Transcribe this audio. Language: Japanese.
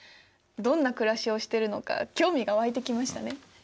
どんな暮らしをしてるのか興味が湧いてきましたね。